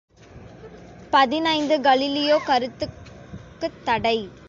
பதினைந்து கலீலியோ கருத்துக்குத்தடை!